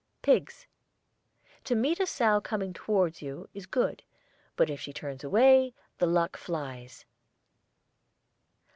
PIGS. To meet a sow coming towards you is good; but if she turns away, the luck flies.